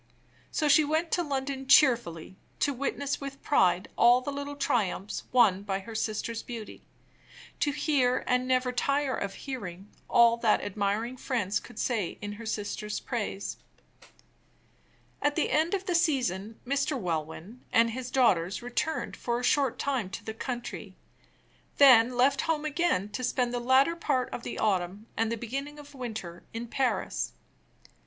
So she went to London cheerfully, to witness with pride all the little triumphs won by her sister's beauty; to hear, and never tire of hearing, all that admiring friends could say in her sister's praise. At the end of the season Mr. Welwyn and his daughters returned for a short time to the country; then left home again to spend the latter part of the autumn and the beginning of the winter in Paris.